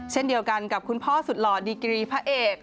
เช่นเดียวกันกับคุณพ่อสุดหล่อดีกรีพระเอก